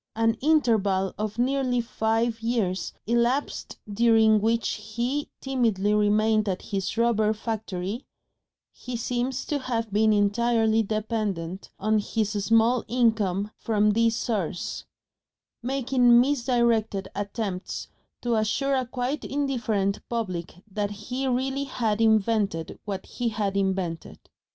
An interval of nearly five years elapsed during which he timidly remained at his rubber factory he seems to have been entirely dependent on his small income from this source making misdirected attempts to assure a quite indifferent public that he really HAD invented what he had invented.